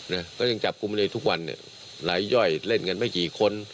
นะก็ยังจับกลุ่มเลยทุกวันเนี่ยหลายย่อยเล่นกันไม่กี่คน